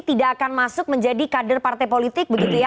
tidak akan masuk menjadi kader partai politik begitu ya